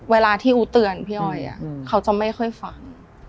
เวลาที่อู๋เตือนพี่อ้อยเขาจะไม่ค่อยฟัง